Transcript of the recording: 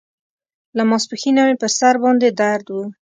له ماسپښينه مې پر سر باندې درد و.